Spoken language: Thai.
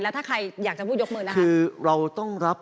แล้วถ้าใครอยากจะพูดยกมือนะครับ